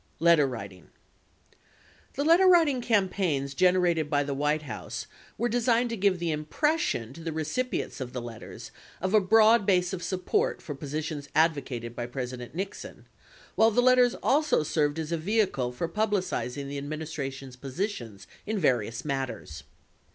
LETTERWRITING The letterwriting campaigns generated by the White House were designed to give the impression to the recipients of the letters of a broad base of support for positions advocated by President Nixon, while the letters also served as a vehicle for publicizing the adminis tration's positions in various matters.